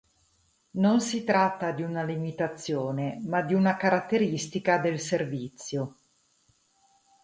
Non si tratta di una limitazione ma di una caratteristica del servizio.